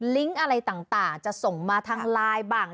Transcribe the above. ลิงก์อะไรต่างต่างจะส่งมาทางไลน์บ้าง